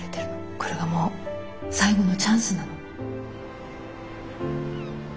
これがもう最後のチャンスなの。